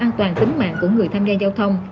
an toàn tính mạng của người tham gia giao thông